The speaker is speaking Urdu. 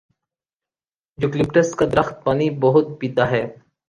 یوکلپٹس کا درخت پانی بہت پیتا ہے۔